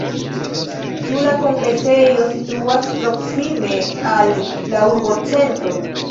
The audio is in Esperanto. Ĉu la kongresejo situas proksime al la urbocentro?